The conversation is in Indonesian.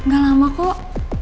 gak lama kok